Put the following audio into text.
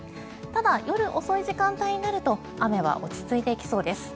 ただ、夜遅い時間帯になると雨は落ち着いてきそうです。